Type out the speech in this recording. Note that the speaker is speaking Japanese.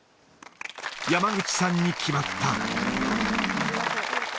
山口さんに決まった。